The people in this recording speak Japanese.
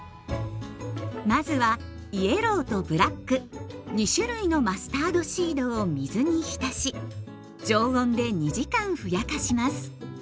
まずはイエローとブラック２種類のマスタードシードを水に浸し常温で２時間ふやかします。